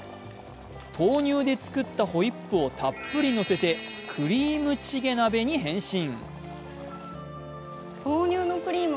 豆乳で作ったホイップをたっぷりのせてクリームチゲ鍋に変身。